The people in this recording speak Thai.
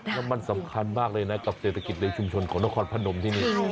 แล้วมันสำคัญมากเลยนะกับเศรษฐกิจในชุมชนของนครพนมที่นี่